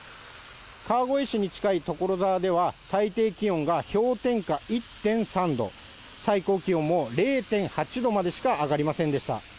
川越市に近い所沢では、最低気温が氷点下１．３度、最高気温も０．８度までしか上がりませんでした。